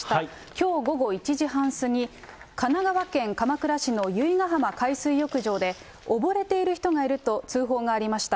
きょう午後１時半過ぎ、神奈川県鎌倉市の由比ヶ浜海水浴場で、溺れている人がいると通報がありました。